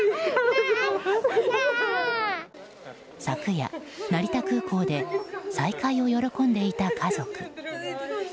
昨夜、成田空港で再会を喜んでいた家族。